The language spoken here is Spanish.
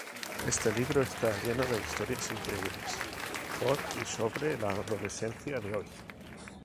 Este libro está lleno de historias increíbles por y sobre la adolescencia de hoy.